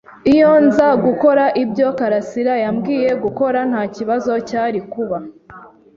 Iyo nza gukora ibyo karasira yambwiye gukora, ntakibazo cyari kuba.